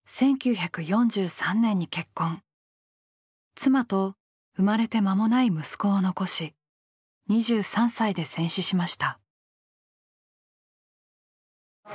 妻と生まれて間もない息子を残し２３歳で戦死しました。